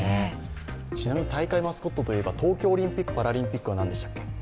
ちなみに大会マスコットといえば、東京オリンピック・パラリンピックは何でしたっけ？